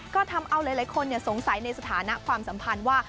ก็ทำเอาหลายคนสงสัยในสถานะความสัมพันธ์ว่า